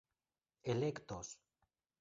elektos